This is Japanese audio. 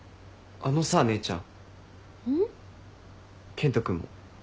健人君も。